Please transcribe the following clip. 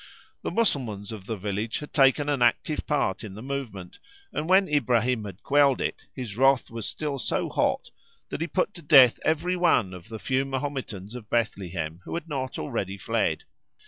The Mussulmans of the village had taken an active part in the movement, and when Ibrahim had quelled it, his wrath was still so hot, that he put to death every one of the few Mahometans of Bethlehem who had not already fled.